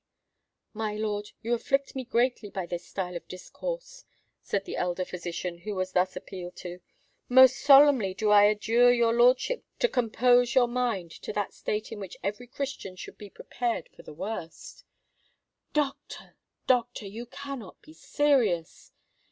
"My lord, you afflict me greatly by this style of discourse," said the elder physician, who was thus appealed to. "Most solemnly do I adjure your lordship to compose your mind to that state in which every Christian should be prepared for the worst." "Doctor—doctor, you cannot be serious!"